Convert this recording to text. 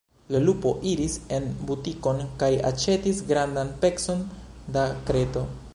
La lupo iris en butikon kaj aĉetis grandan pecon da kreto.